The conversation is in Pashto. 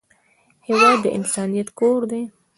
هېواد د انسانیت کور دی.